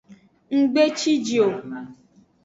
Nggbe ciji o.